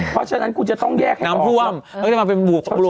เพราะฉะนั้นคุณจะต้องแยกแขกออก